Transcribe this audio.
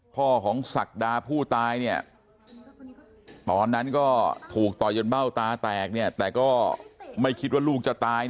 พ่อของศักดาผู้ตายเนี่ยตอนนั้นก็ถูกต่อยจนเบ้าตาแตกเนี่ยแต่ก็ไม่คิดว่าลูกจะตาย